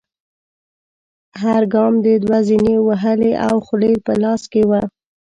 هر ګام دې دوه زینې وهلې او خولۍ په لاس کې وه.